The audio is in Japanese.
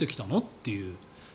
っていう。